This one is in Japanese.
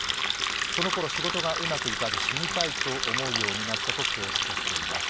そのころ、仕事がうまくいかず、死にたいと思うようになったと供述しています。